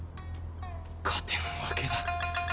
勝てんわけだ。